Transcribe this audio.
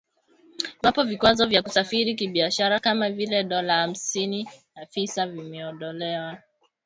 Iwapo vikwazo vya kusafiri kibiashara kama vile dola hamsini ya visa vimeondolewa.